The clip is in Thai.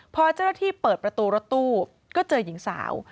พอเจ้าหน้าที่เปิดประตูรถตู้ก็เจอหญิงสาว